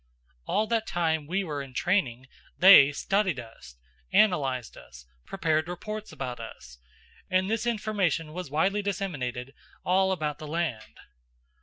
All that time we were in training they studied us, analyzed us, prepared reports about us, and this information was widely disseminated all about the land.